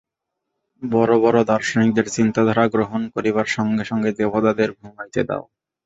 বড় বড় দার্শনিকদের চিন্তাধারা গ্রহণ করিবার সঙ্গে সঙ্গে দেবতাদের ঘুমাইতে দাও।